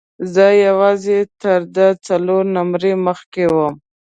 زه یوازې تر ده څلور نمرې مخکې وم.